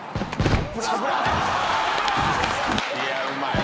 「いやうまいな」